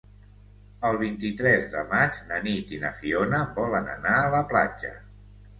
El vint-i-tres de maig na Nit i na Fiona volen anar a la platja.